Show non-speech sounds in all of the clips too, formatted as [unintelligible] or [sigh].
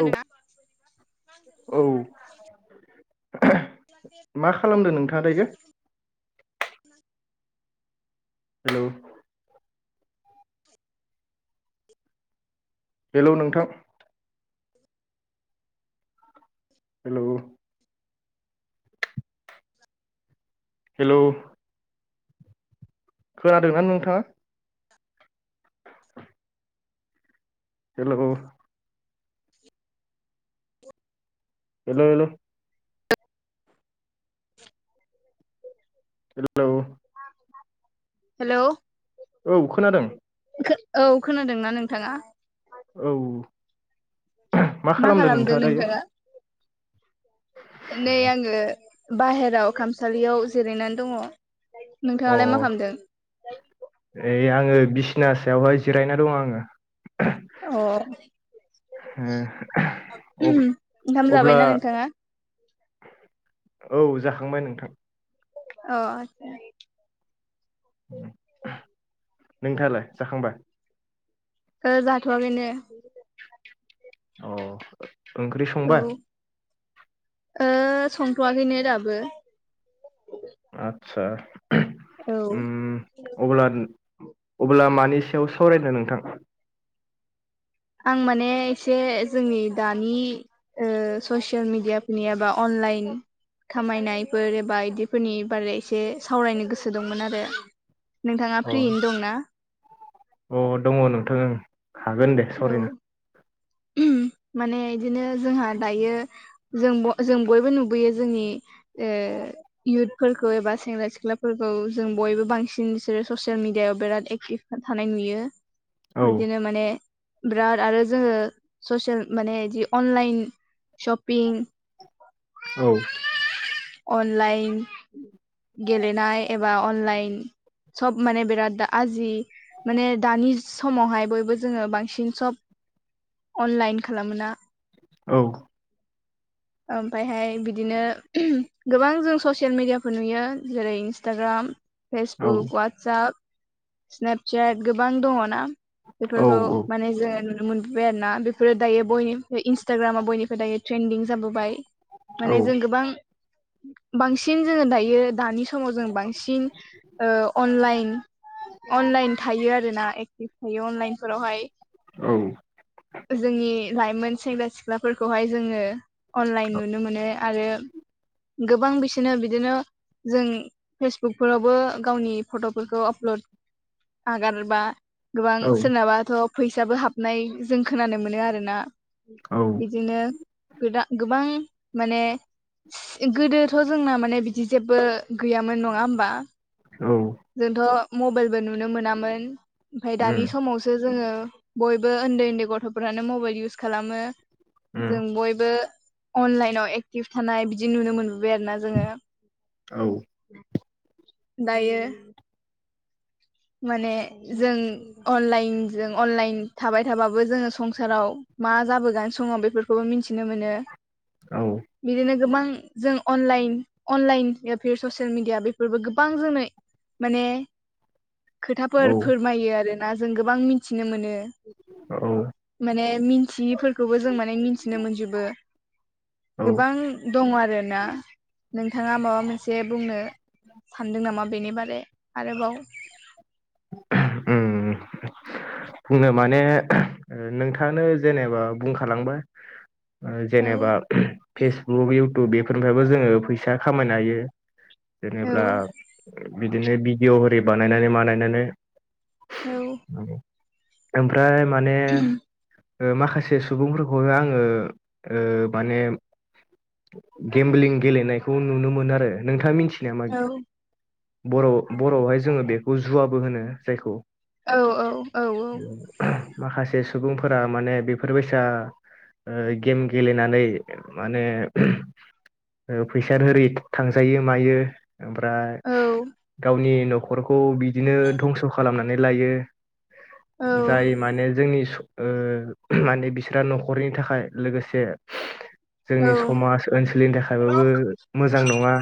औ ना? औ मा खालामदों नोंथाङा दायो? हेलौ। हेल' नोंथां? हेलौ। हेल'। खोनादों आ नोंथाङा? हेल'। हेल' हेल'। [inaudible] हेल' हेल'। हेल'। औ खोनादों? खो औ खोनादोंना नोंथाङा? औ मा खालामदों नोंथाङा दायो? नै आंङो बाहेरायाव खामसालियाव जिरायनानै दङ। अ नोंथाङालाय मा खालामदों? ओइ आङो बिसना सायावहाय जिरायना दं आङो। अ ओ ओंखाम अ-अब्ला जाबायना नोंथाङा औ जाखांबाय नोंथां। अ [unintelligible] नोंथाङालाय जाखांबाय? ओ जाथ'वाखैनो। अ ओ औ ओ संथ'वाखैनो दाबो। आतसा। औ। अब्लान अब्ला मानि सायाव सावरायनो नोंथां? आं माने एसे जोंनि दानि ओ ससियेल मिडियाफोरनि एबा अनलाइन खामायनायफोर एबा इदिफोरनि बारै एसे सावरायनो गोसो दंमोन आरो नोंथाङा औ फ्रियैनो दं ना? अ दङ' नोंथां ओं हागोन दे औ सावरायना। [unintelligible] माने इदिनो जोंहा दायो जों ब जों बयबो नुबोयो जोंनि ओ इउथफोरखौ एबा सेंग्रा सिख्लाफोरखौ जों बयबो बांसिन जेरै ससियेल मिडियायाव बिराद एकटिभ था-थानाय नुयो। औ बिदिनो माने बिराद आरो जोङो ससेल माने इदि अनलाइन सपिं औ। अनलाइन गेलेनाय एबा अनलाइन सब माने बिराद दा आजि माने दानि समावहाय बयबो जोङो बांसिन सब अनलाइन खालामो ना औ। [inaudible] ओमफायहाय बिदिनो गोबां जों ससियेल मेडियाफोर नुयो। जेरै इन्सटाग्राम, औ फेसबुक, वाटसाप, स्नेपचेट गोबां दङ' ना। औ बेफोरखौ माने जोङो नुनो मोन बाय आरो ना। बेफोरो दायो बयनिफ्राय इन्स्टाग्रामा बयनिफ्राय दायो ट्रेन्दिं जाबोबाय। औ माने जों गोबां बांसिन जोङो दायो दानि समाव जों बांसिन ओ अनलाइन अनलाइन थायो आरो ना एक्टिभ थायो अनलाइनफोरावहाय। औ। जोंनि लाइमोन सेंग्रा सिख्लाफोरखौहाय जोङो अनलाइन नुनो मोनो। आरो गोबां बिसोनो बिदिनो जों फेसबुकफोरावबो गावनि फट'फोरखौ आपल'ड आगारबा गोबां औ सोरनाबाथ' फैसाबो हाबनाय जों खोनानो मोनो आरो ना। औ बिदिनो गोदा गोबां माने गोदोथ' जोंना माने बिदि जेबो गैयामोन नङा होमबा। औ। जोंथ' मबेलबो नुनो मोनामोन। ओमफाय दानि उम समावसो जोङो बयबो उन्दै उन्दै गथ'फ्रानो मबेल इउस खालामो। उम जों बयबो अनलाइनाव एक्टिभ थानाय बिदि नुनो मोनबोबाय आरो ना जोङो। औ। दायो माने जों अनलाइनजों अनलाइन थाबाय थाबाबो जोङो संसाराव मा जाबोगोन समाव बेफोरखौबो मिथिनो मोनो। औ बिदिनो गोबां जों अनलाइन अनलाइन ससियेल मिडिया बेफोरबो गोबां जोंनो माने खोथाफोर औ फोरमायो आरोना जों गोबां मिथिनो मोनो। औ माने मिन्थियिफोरखौबो जों माने मिन्थिनो मोनजोबो औ गोबां दङ आरोना नोंथाङा माबा मोनसे बुंनो सानदों नामा बेनि बारै आरोबाव उम बुंनो माने नोंथाङानो जेनेबा बुंखालांबाय औ जेनेबा फेसबुक इउटुब बेफोरनिफ्रायबो जोङो फैसा खामायनो हायो। जेनेबा बिदिनो भिडिअ' होरि बानायनानै मानायनानै औ ओमफ्राय माने ओ माखासे सुबुंफोरखौहाय आङो ओ माने गेमबलिं गेलेनायखौ नुनो मोनो आरो नोंथाङा मिथि यो नामा औ बर' बर'आवहाय जोङो बेखौ जुवाबो होनो जायखौ औ औ माखासे सुबुंफोरा माने बेफोरबायसा ओ गेम गेलेनानै माने फैसाद होरि थांजायो मायो ओमफ्राय औ गावनि नखरखौ बिदिनो धंस' खालामनानै लायो। औ जाय माने जोंनि सु ओ माने बिसोरहा नखरनि थाखाय लोगोसे जोंनि औ समाज ओनसोलनि थाखायबाबो मोजां नङा।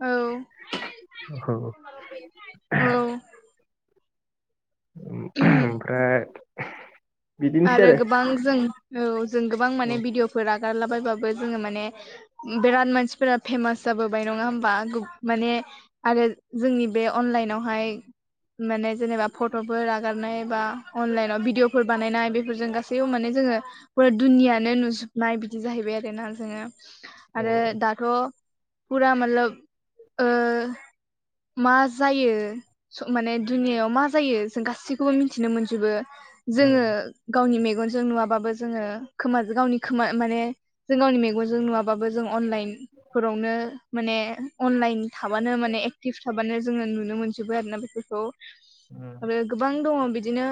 औ औ औ उम ओमफ्राय आरो गोबां जों औ जों गोबां माने औ भिडिअफोर आगारलाबायबाबो जोङो माने बेराद मानसिफोरा फेमास जाबोबाय नङा ओमबा माने आरो जोंनि बे अनलाइनावहाय माने जेनेबा फट'फोर आगारनाय बा अनलाइनाव भिदिअ फोर बानायनाय बेफोरजों गासैयाव माने जोङो फुरा दुनियानो नुजोबनाय बिदि जाहैबाय आरोना जोङो। आरो औ दाथ' फुरा मलब ओ मा जायो माने दुनियाआव मा जायो जों गासैखौबो मिथिनो मोनजोबो जोङो उम गावनि मेगनजों नुवाबाबो जोङो खोमाजो गावनि खोमा माने जों गावनि मेगनजों नुवा बाबो जों अनलाइन फोरावनो माने अनलाइन थाबानो माने एक्टिभ थाबानो जोङो नुनो मोनजोबो आरोना बेफोरखौ। उम आरो गोबां दङ बिदिनो।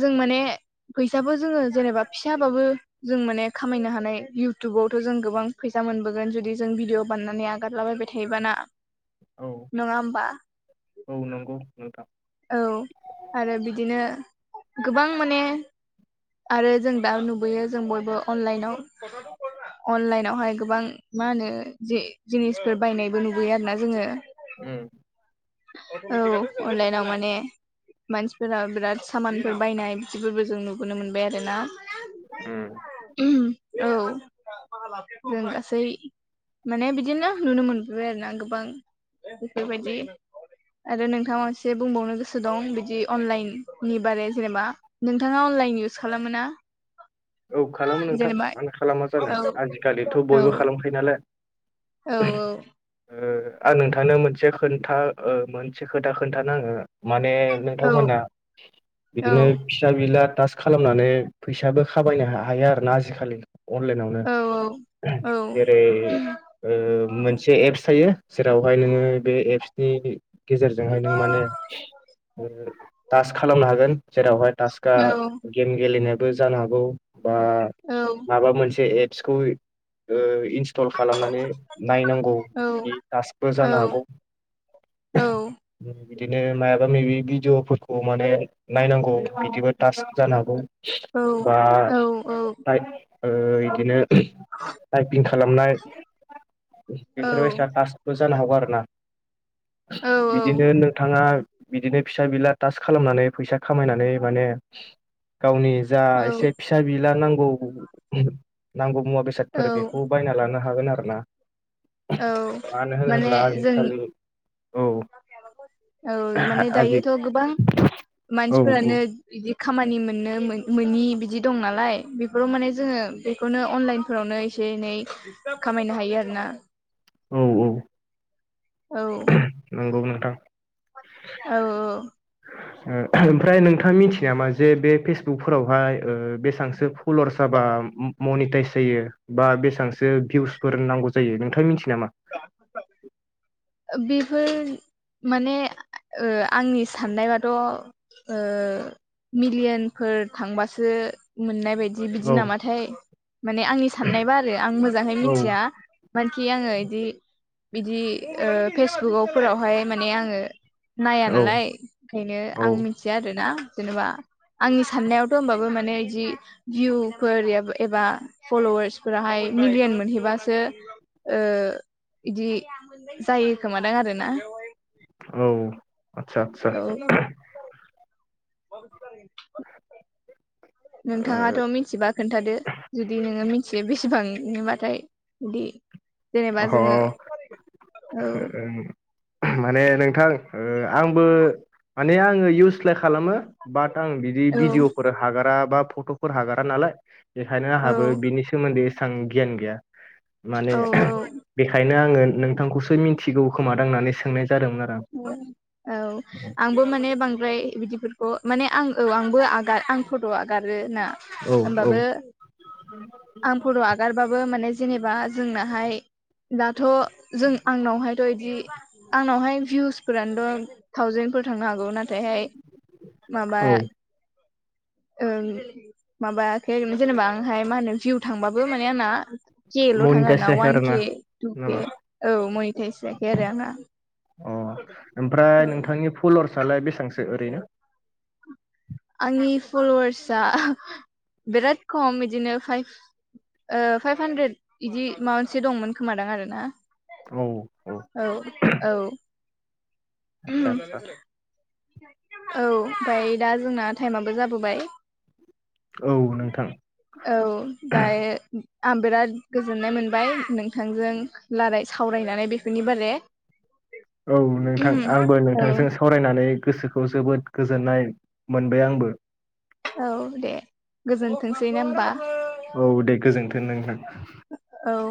जों माने फैसाबो जोङो जेनेबा फिसाबाबो जों माने खामायनो हानाय इउटुबावथ' जों गोबां फैसा मोनबोगोन जुदि जों भिडिअ बाननानै आगारलाबायबाय थायोबाना? औ नङा होमबा औ नंगौ नोंथां। औ आरो बिदिनो गोबां माने आरो जों दा नुबोयो जों बयबो अनलाइनाव अनलाइनावहाय गोबां मा होनो जे जिनिसफोर बायनायबो नुबोयो आरोना जोङो। उम औ अनलाइनाव माने मानसिफोरा बिराद सामानफोर बायनाय बिदिफोरबो जों नुबोनो मोनबाय आरोना। उम औ जों गासै माने बिदिनो नुनो मोनबोबाय आरो ना गोबां बेफोरबायदि आरो नोंथाङा एसे बुंबावनो गोसो दं बिदि अनलाइन नि बारै जेनेबा नोंथाङा अनलाइन इउस खालामो ना? औ खालामो नोंथां जेनेबा मानो खालामा जानो औ आजिखालिथ' बयबो माने खालामखायो नालाय [inaudible] ओ आं नोंथांनो मोनसे खोनथा ओ मोनसे खोथा खोन्थानाङो माने नोंथांमोना बिदिनो फिसा बिला थास खालामनानै फैसाबो खाबायनो हायो आरो ना आजिखालि अनलाइनावनो जेरै मोनसे ओ एप्स थायो। जेरावहाय नोङो बे एप्सनि गेजेरजोंहाय नों माने ओ थास खालामनो हागोन जेरावहाय तासक आं गेम गेलेनायाबो जानो हागौ बा माबा मोनसे एप्सखौ ओ इनस्टल खालामनानै नायनांगौ बिनि टास्कबो जानो हागौ। औ बिदिनो मायाबा मायबि भिडिअफोरखौ माने नायनांगौ बिदिबो टासक जानो हागौ ओ थायब ओ बिदिनो टाइपिं खालामनाय बेफोरबायसा टास्ट बो जानो हागौ आरोना बिदिनो नोंथाङा बिदिनो फिसा बिला तास खालामनानै फैसा खामायनानै माने गावनि जा एसे फिसा बिला नांगौ नांगौ मुवा बेसादफोर बेखौ बायना लानो हागोन आरो ना। औ मानो माने होनोब्ला जों आजिखालि औ औ माने आजि दायोथ' गोबां औ मानसिफोरानो बिदि खामानि मोननो मोननि बिदि दं नालाय बेफोराव माने जोङो बे बेखौनो अनलाइनफोरावनो एसे एनै खामायनो हायो आर ना। औ औ औ नंगौ नोंथां औ औ ओ ओमफ्राय नोंथाङा मिथिनाय नामा जे बे फेसबुकफोरावहाय ओ बेसांसो फल'वार जाबा मनिटाइस जायो बा बेसेबांसो भिउसफोर नांगौ जायो नोंथाङा मिथियो नामा? [inaudible] बेफोर माने ओ आंनि साननायबाथ' ओ मिलियनफोर थांबासो मोननाय बायदि बि बिदि औ नामाथाय माने आंनि साननायबा आरो आं मोजाङै औ मिथिया मानखि आङो बिदि बिदि ओ फेसबुकाव फोरावहाय माने आङो नाया औ नालाय ओंखायनो औ आं मिथिया आरोना जेनेबा आंनि साननायावथ' होमबाबो माने बिदि भिउफोर एबा फल'वार्सफोराहाय मिलियन मोनहैबासो ओ बिदि जायो खोमादां आरोना औ आतसा आतसा औ [inaudible] नोंथाङाथ' मिथिबा खोन्थादो जुदि नोङो मिनथि यो बे बेसेबांबाथाय बिदि जेनेबा जोङो ओ औ अ माने नोंथां ओ आंबो माने आङो इउस्लाय खालामो बाट आं बि जि औ भिदिअफोर हागारा बा फट'फोर हागारा नालाय बेखायनो औ आंहाबो बिनि सोमोन्दै एसां गियान गैया औ माने बेखायनो आङो नोंथांखौसो मिथिगौ खोमा दांनानै सोंनाय जादोंमोन आरो आं। [unintelligible] औ आंबो माने बांद्राय बिदिफोरखौ माने आं औ आंबो आगा आं फट' आगारो ना औ औ होनोमबाबो आं फट' आगारबाबो माने जेनेबा जोंनाहाय दाथ' जों आंनावहायथ' बिदि आंनावहाय भिउसफोरानोथ' थावजेनफोर थांनो हागौ नाथायहाय माबा औ ओ माबायाखै जेनेबा आंहाय मा होनो भिउ थांबाबो माने आंना केल' थाङो आर मनिटाइस ना जायाखै अवान आरोना के टु नामा के औ मैथायाइसोायाखै आरो आंना। अ ओमफ्राय औ नोंथांनि फलरसलाय बेसेबांसो ओरैनो? आंनि फल'वार्सआ बिराद खम बिदिनो फाइभ ओ फाइभ हानद्रेद बिदि मा मोनसे दंमोन खोमादां आरोना। औ। औ औ। आतसा आतसा। औ ओमफाय दा जोंना टाइमाबो जाबोबाय औ नोंथां औ दा आं बिराद गोजोननाय मोनबाय नोंथांजों लाराय सावरायनानै बेफोरनि बारे औ नोंथां आंबो औ नोंथांजों [unintelligible] सावरायनानै गोसोखौ जोबोद गोजोननाय मोनबाय आंबो। औ दे गोजोनथोंसै ना ओमबा औ दे गोजोनथों नोंथां औ